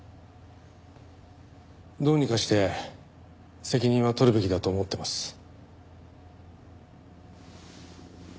どうにかして責任は取るべきだと思ってます。